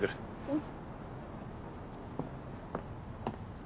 うん。